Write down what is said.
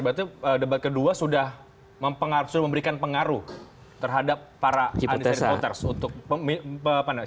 berarti debat kedua sudah memberikan pengaruh terhadap para undecided voters